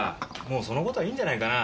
もうそのことはいいんじゃないかな